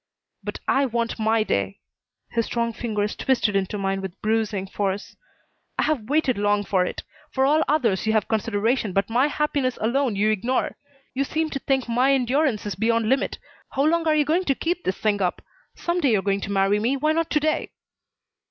"But I want my day." His strong fingers twisted into mine with bruising force. "I have waited long for it. For all others you have consideration, but my happiness alone you ignore. You seem to think my endurance is beyond limit. How long are you going to keep this thing up? Some day you are going to marry me. Why not to day?"